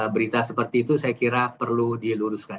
berita seperti itu saya kira perlu diluruskan